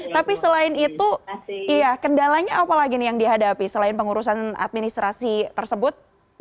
tapi selain itu iya kendalanya apa lagi nih yang dihadapi selain pengurusan administrasi tersebut